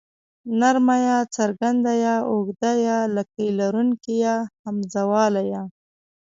نرمه ی څرګنده ي اوږده ې لکۍ لرونکې ۍ همزه واله ئ